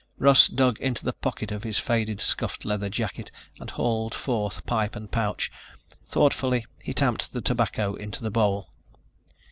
Russ dug into the pocket of his faded, scuffed leather jacket and hauled forth pipe and pouch. Thoughtfully he tamped the tobacco into the bowl.